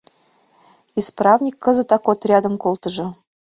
Исправник кызытак отрядым колтыжо.